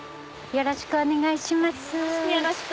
よろしくお願いします。